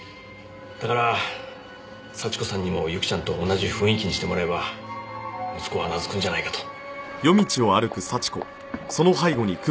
だから幸子さんにもユキちゃんと同じ雰囲気にしてもらえば息子は懐くんじゃないかと。